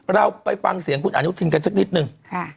เราไปฟังเสียงคุณอนุทินกันสักนิดนึง